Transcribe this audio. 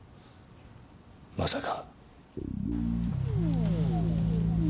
まさか。